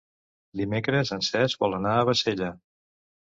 Dimecres en Cesc vol anar a Bassella.